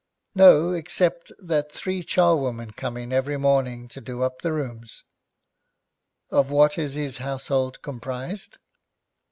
'No, except that three charwomen come in every morning to do up the rooms.' 'Of what is his household comprised?'